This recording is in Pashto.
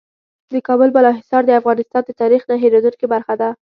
د کابل بالا حصار د افغانستان د تاریخ نه هېرېدونکې برخه ده.